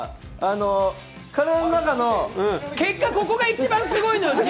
体の中の結果、ここが一番すごいのよ